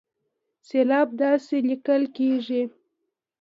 سېلاب داسې ليکل کېږي